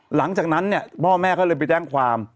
หลังจากนั้นเนี่ยพ่อแม่ก็เลยไปแจ้งความ